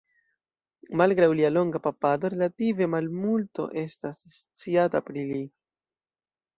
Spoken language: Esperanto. Malgraŭ lia longa papado relative malmulto estas sciata pri li.